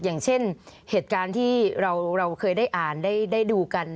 อย่างเช่นเหตุการณ์ที่เราเคยได้อ่านได้ดูกัน